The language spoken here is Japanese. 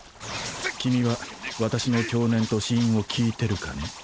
君は私の享年と死因を聞いてるかね？